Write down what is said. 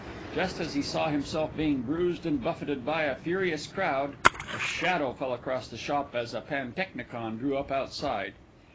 Just as he saw himself being bruised and buffeted by a furious crowd, a shadow fell across the shop as a pantechnicon drew up outside.